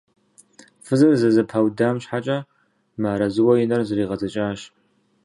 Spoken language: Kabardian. Фызыр зэрызэпаудам щхьэкӀэ мыарэзыуэ и нэр зэригъэдзэкӀащ.